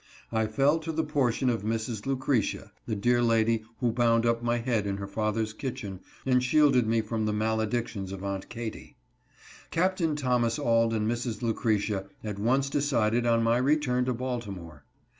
I fell to the portion of Mrs. Lucretia, the dear lady who bound up my head in her father's kitchen, and shielded me from the maledictions of Aunt Katy. Capt. Thomas Auld and Mrs. Lucretia at once decided on my return to Baltimore.